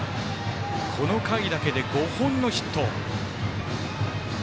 この回だけで５本のヒット。